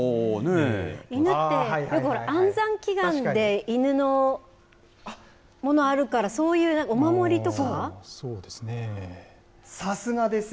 犬って、ほら、安産祈願で犬のものあるから、そういうお守りさすがです。